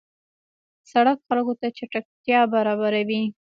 سړک خلکو ته چټکتیا برابروي.